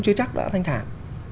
chưa chắc đã thanh thản